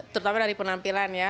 terutama dari penampilan ya